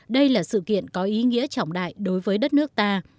đây là sự kiện có ý nghĩa trọng đại đối với đất nước ta